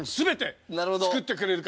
作ってくれるから。